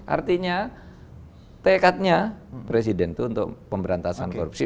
artinya tekadnya presiden itu untuk pemberantasan korupsi